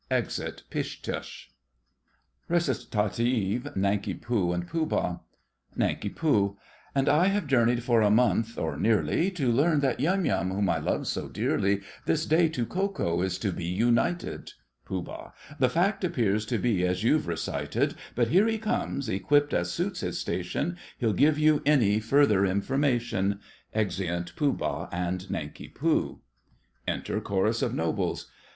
[Exit Pish Tush. RECIT.—NANKI POO and POOH BAH. NANK. And I have journeyed for a month, or nearly, To learn that Yum Yum, whom I love so dearly, This day to Ko Ko is to be united! POOH. The fact appears to be as you've recited: But here he comes, equipped as suits his station; He'll give you any further information. [Exeunt Pooh Bah and Nanki Poo. Enter Chorus of Nobles.